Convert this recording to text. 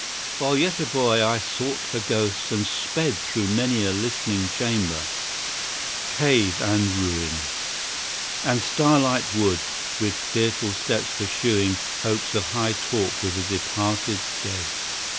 While yet a boy I sought for ghosts, and sped Through many a listening chamber, cave and ruin, And starlight wood, with fearful steps pursuing Hopes of high talk with the departed dead.